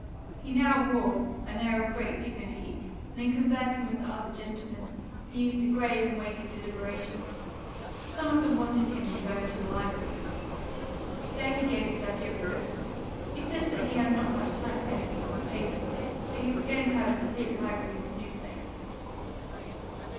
He now wore an air of great dignity, and, in conversing with the other gentlemen, he used a grave and weighty deliberation. Some of them wanted him to go into the library. There he gave his ideas of books. He said he had not much time for anything but the papers; but he was going to have a complete library in his new place.